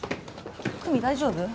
久実大丈夫？